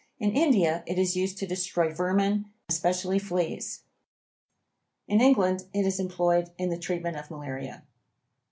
In India it is used to destroy vermin, especially fleas. In England it is employed in the treatment of malaria.